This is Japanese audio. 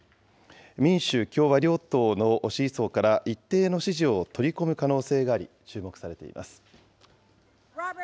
民主、共和両党の支持層から一定の支持を取り込む可能性があり、注目されています。